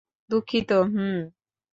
দুঃখিত, হুম।